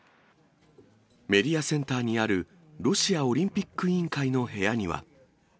メディアセンターにある、ロシアオリンピック委員会の部屋には。